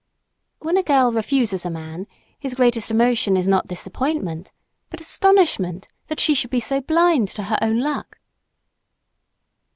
When a girl refuses a man his greatest emotion is not disappointment, but astonishment that she should be so blind to her own luck.